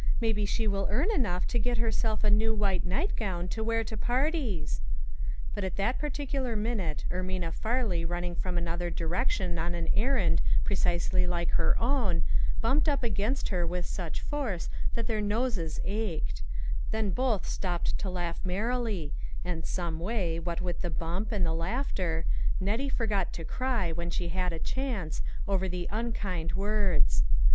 Maybe she will earn enough to get herself a new white nightgown to wear to par ties ;" but at that particular minute, Ermina Farley running from another direction on an errand precisely like her own, bumped up against her with such force that their noses ached ; then both stopped to laugh merrily, and some way, what with the bump, and the laugh ter, Nettie forgot to cry, when she had a chance, over the unkind words.